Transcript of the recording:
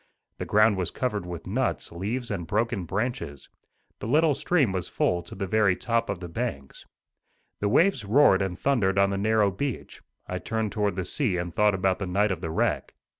The ground was covered with nuts, leaves and broken branches. The little stream was full to the very top of the banks. The waves roared and thundered on the narrow beach. I turned toward the sea and thought about the night of the wreck.